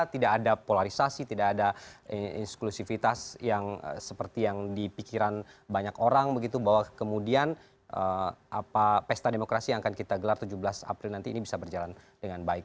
tidak ada polarisasi tidak ada inklusivitas yang seperti yang dipikiran banyak orang begitu bahwa kemudian pesta demokrasi yang akan kita gelar tujuh belas april nanti ini bisa berjalan dengan baik